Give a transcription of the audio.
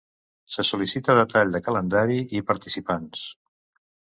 Se sol·licita detall de calendari i participants.